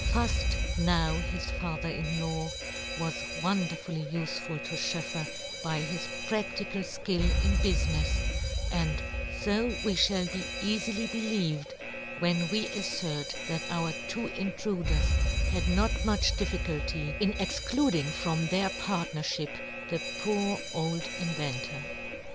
Fuft, now his father in law, was won derfully ufeful to SchoefFer by his practical fkill in bufinefs, and fo we fhall be eafily believed when we af fert that our two intruders had not much difficulty in excluding from their partnerfhip the poor old in ventor.